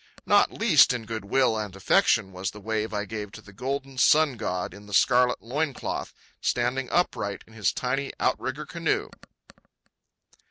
Not least in goodwill and affection was the wave I gave to the golden sun god in the scarlet loin cloth, standing upright in his tiny outrigger canoe.